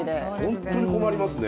本当に困りますね。